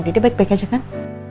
dia baik baik aja kan